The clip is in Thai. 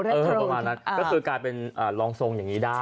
ประมาณนั้นก็คือกลายเป็นรองทรงอย่างนี้ได้